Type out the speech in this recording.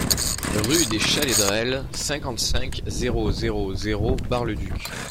Rue des Chalaidrelles, cinquante-cinq, zéro zéro zéro Bar-le-Duc